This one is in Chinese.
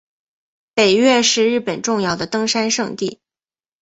北岳是日本重要的登山圣地。